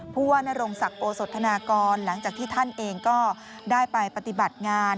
ผู้ว่านรงศักดิ์โอสธนากรหลังจากที่ท่านเองก็ได้ไปปฏิบัติงาน